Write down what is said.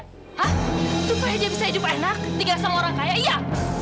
hah supaya dia bisa hidup enak tinggal sama orang kaya iya